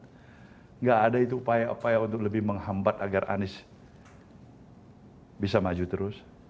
tidak ada itu upaya upaya untuk lebih menghambat agar anies bisa maju terus